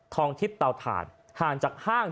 ทองทิศะวถานห่างจากห้าง